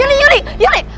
eh yuli yuli